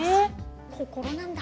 心なんだ。